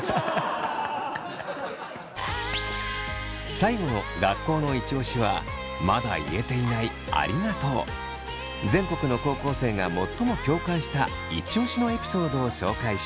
最後の学校のイチオシは全国の高校生が最も共感したイチオシのエピソードを紹介します。